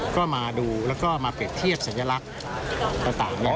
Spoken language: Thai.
ก็มาดูแล้วก็มาเปรียบเทียบสัญลักษณ์ต่าง